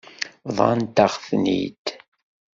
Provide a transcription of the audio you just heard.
Bḍant-aɣ-ten-id.